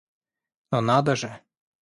Но надо же!